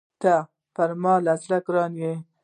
ته پر ما له زړه ګران يې!